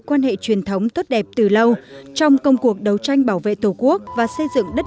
quan hệ truyền thống tốt đẹp từ lâu trong công cuộc đấu tranh bảo vệ tổ quốc và xây dựng đất